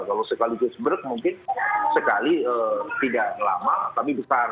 kalau sekali cuci beruk mungkin sekali tidak lama tapi besar